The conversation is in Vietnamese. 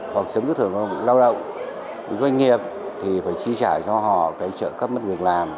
hoặc chấm dứt hợp đồng lao động doanh nghiệp thì phải chi trả cho họ trợ cấp mất việc làm